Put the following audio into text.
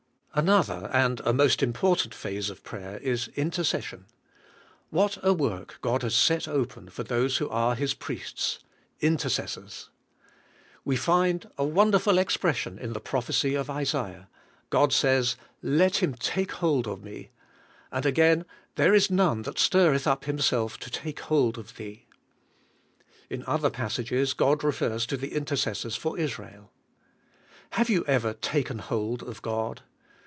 Another, and a most important phase of prayer is intercession. What a work God has set open for those who are His priests — intercessors! We find a wonderful expression in the prophec}^ of Isaiah; God says, 'Let him take hold of me;" and again, "There is none that stirreth up himself to take hold of thee." In other passages God refers to the intercessors for Israel. Have 3'ou ever taken hold of God?